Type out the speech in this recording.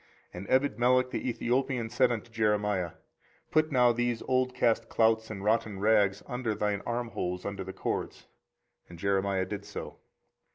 24:038:012 And Ebedmelech the Ethiopian said unto Jeremiah, Put now these old cast clouts and rotten rags under thine armholes under the cords. And Jeremiah did so.